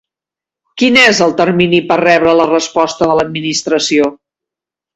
Quin és el termini per rebre la resposta de l'Administració?